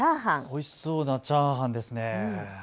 おいしそうなチャーハンですね。